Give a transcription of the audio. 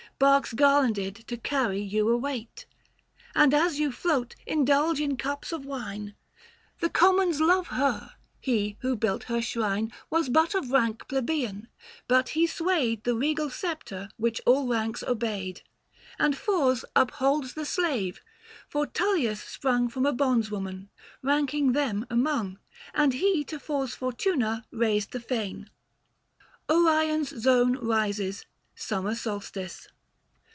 Barks garlanded to carry you await ;. 940 And as you float indulge in cups of wine. The Commons love her ; he who built her shrine Was but of rank plebeian, but he swayed The regal sceptre which all ranks obeyed : And Fors upholds the slave, for Tullius sprung 945 From a bondwoman, ranking them among ; And he to Fors Fortuna raised the fane. vi. kal. jun. orion's zone eises. summer solstice.